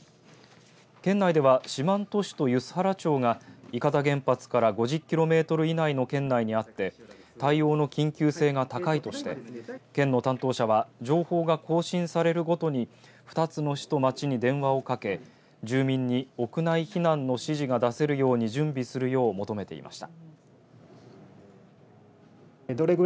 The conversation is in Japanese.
県内では、四万十市と梼原町が伊方原発から５０キロメートル以内の圏内にあって対応の緊急性が高いとして県の担当者が情報が更新されるごとに２つの市と町に電話をかけ住民に屋内避難の指示が出せるように準備するよう求めていました。